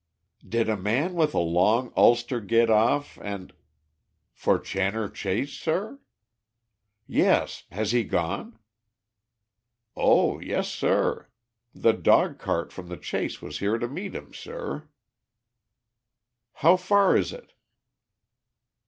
"Did a man in a long ulster get off, and " "For Channor Chase, sir?" "Yes. Has he gone?" "Oh yes, sir! The dog cart from the Chase was here to meet him, sir." "How far is it?"